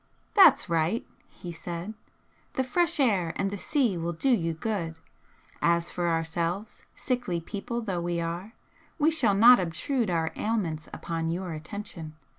"That's right!" he said "The fresh air and the sea will do you good. As for ourselves, sickly people though we are, we shall not obtrude our ailments upon your attention.